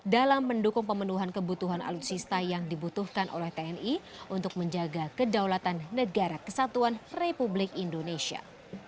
dalam mendukung pemenuhan kebutuhan alutsista yang dibutuhkan oleh tni untuk menjaga kedaulatan negara kesatuan republik indonesia